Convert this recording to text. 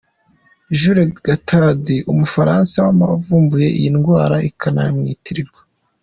Jules Cotard, umufaransa wavumbuye iyi ndwara ikanamwitirirwa.